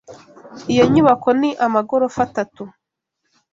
Iyo nyubako ni amagorofa atatu.